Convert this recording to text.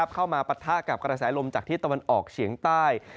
ปะทะกับกระแสลมจากที่ตะวันออกเฉียงใต้